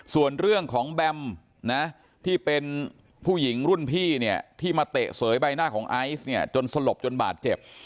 ส่วนเรื่องของแบมนะที่เป็นผู้หญิงรุ่นพี่เนี่ยที่มาเตะเสยใบหน้าของไอซ์เนี่ยจนสลบจนบาดเจ็บ